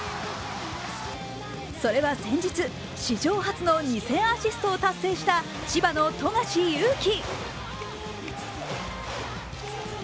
それは先日、史上初の２０００アシストを達成した千葉の富樫勇樹。